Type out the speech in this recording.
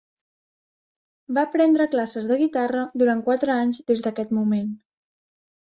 Va prendre classes de guitarra durant quatre anys des d'aquest moment.